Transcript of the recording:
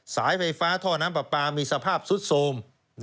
สายไฟฟ้าท่อน้ำปลาปลามีสภาพซุดโทรม